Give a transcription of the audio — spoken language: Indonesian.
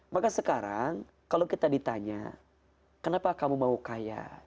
maka sekarang kalau kita ditanya kenapa kamu mau kaya